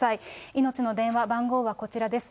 いのちの電話、番号はこちらです。